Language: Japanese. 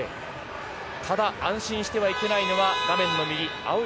ただ安心してはいけないのは画面の右画面の右青い